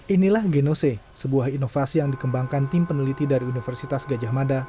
inilah genose sebuah inovasi yang dikembangkan tim peneliti dari universitas gajah mada